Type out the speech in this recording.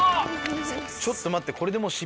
ちょっと待って。